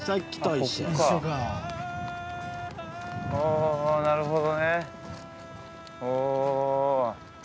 あ、なるほどね。